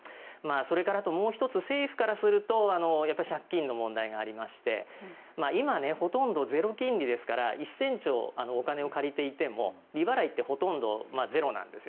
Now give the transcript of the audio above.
それからあともう１つ政府からすると借金の問題がありまして今、ほとんどゼロ金利ですから１０００兆お金を借りていても利払いってほとんどゼロなんです。